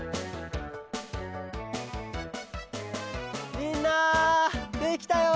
みんなできたよ！